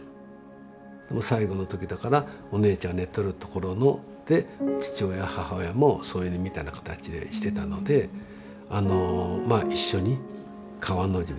最期の時だからお姉ちゃん寝とる所で父親母親も添い寝みたいな形でしてたのであのまあ一緒に川の字ですよね。